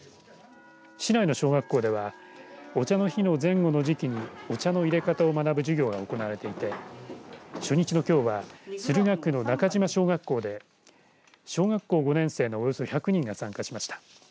市内の小学校ではお茶の日の前後の時期にお茶の入れ方を学ぶ授業が行われていて初日のきょうは駿河区の中島小学校で小学校５年生のおよそ１００人が参加しました。